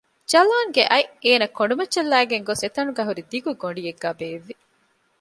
ޖަލާން ގެ އަތް އޭނަ ކޮނޑުމައްޗަށް ލައިގެން ގޮސް އެތަނުގައި ހުރި ދިގު ގޮޑިއެއްގައި ބޭއްވި